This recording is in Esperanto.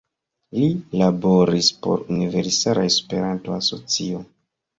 Li laboris por Universala Esperanto Asocio.